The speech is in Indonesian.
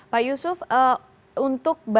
pak yusuf untuk bantuan yang dibawa